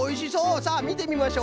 さあみてみましょう。